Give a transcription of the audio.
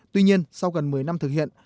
tuy nhiên sau gần một mươi năm thực hiện